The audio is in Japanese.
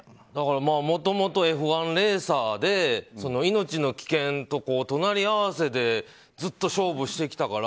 もともとＦ１レーサーで命の危険と隣り合わせでずっと勝負してきたから。